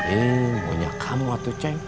eh maunya kamu lah tuh ceng